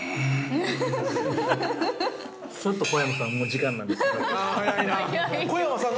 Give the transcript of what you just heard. ◆ちょっと小山さん、もう時間なんで、すみません。